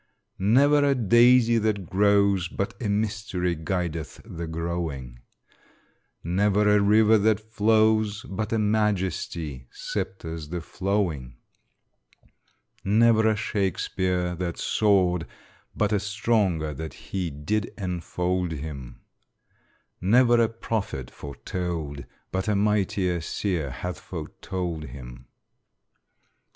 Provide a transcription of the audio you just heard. Never a daisy that grows, but a mystery guideth the growing; Never a river that flows, but a majesty scepters the flowing; Never a Shakespeare that soared, but a stronger than he did enfold him; Never a prophet foretold, but a mightier seer hath foretold him.